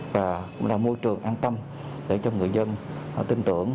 và cũng là môi trường an tâm để cho người dân tin tưởng